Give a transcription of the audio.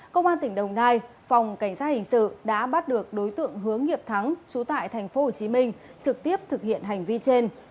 cơ quan tỉnh đông nai phòng cảnh sát hình sự đã bắt được đối tượng hướng nghiệp thắng trú tại tp hcm trực tiếp thực hiện hành vi trên